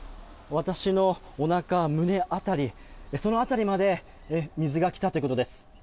私のおなか、胸あたりまで水が来たということです。